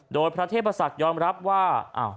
โดยพระเทพศักดิ์ยอมรับว่า